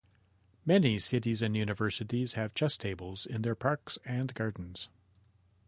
Many cities and universities have chess tables in their parks and gardens.